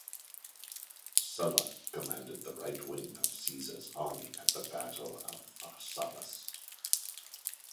Sulla commanded the right wing of Caesar's army at the Battle of Pharsalus.